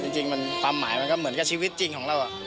จริงความหมายมันก็เหมือนกับชีวิตจริงของเรา